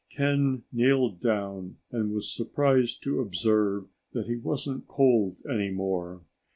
Ken kneeled down and was surprised to observe that he wasn't cold any more.